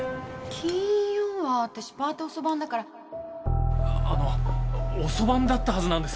金曜は私パート遅番だからあの遅番だったはずなんですけど。